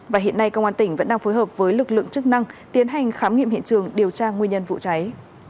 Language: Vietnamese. và hiện nay công an tỉnh vẫn đang phối hợp với lực lượng chức năng tiến hành khám nghiệm hiện trường điều tra nguyên nhân vụ cháy